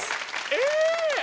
えっ！